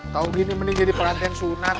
tahu gini mending jadi perantian sunat